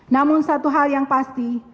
namun satu hal yang pasti